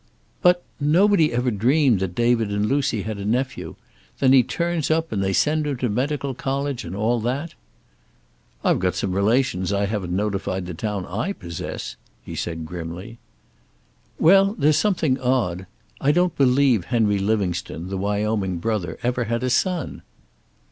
"But nobody ever dreamed that David and Lucy had a nephew. Then he turns up, and they send him to medical college, and all that." "I've got some relations I haven't notified the town I possess," he said grimly. "Well, there's something odd. I don't believe Henry Livingstone, the Wyoming brother, ever had a son."